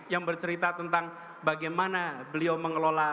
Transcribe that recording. yang bercerita tentang bagaimana beliau mengelola